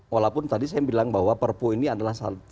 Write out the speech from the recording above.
walaupun tadi saya bilang bahwa perpu ini adalah